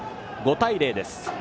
５対０です。